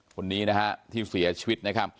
คนนี้ที่เสียชวิต